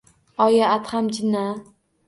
Oyi, Adham jinni-a?